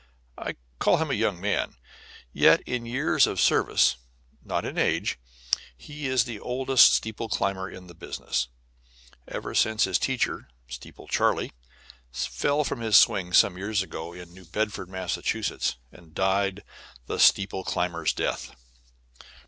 I call him a young man, yet in years of service, not in age, he is the oldest steeple climber in the business, ever since his teacher, "Steeple Charlie," fell from his swing some years ago in New Bedford, Massachusetts, and died the steeple climber's death.